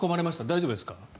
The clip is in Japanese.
大丈夫ですか？